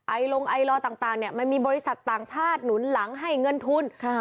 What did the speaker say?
ไอร้งไอลอต่างมันมีบริษัทต่างชาติหนุนหลังให้เงื่อนทุน